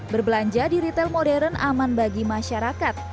berbelanja di retail modern aman bagi masyarakat